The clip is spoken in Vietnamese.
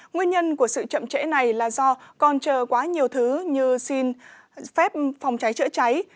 nguyên nhân của sự chậm trễ này là do còn chờ quá nhiều thứ như xin phép phòng cháy chữa cháy